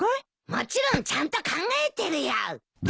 もちろん！ちゃんと考えてるよ。